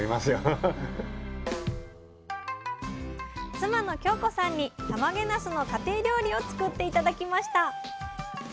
妻の京子さんにたまげなすの家庭料理を作って頂きました。